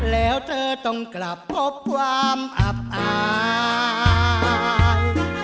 แล้วเธอต้องกลับพบความอับอาย